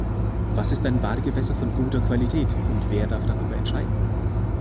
Was ist ein Badegewässer von guter Qualität, und wer darf darüber entscheiden?